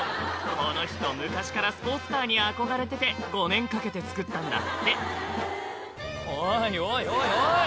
この人昔からスポーツカーに憧れてて５年かけて作ったんだっておいおいおいおい！